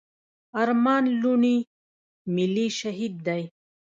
ارمان لوڼي ملي شهيد دی.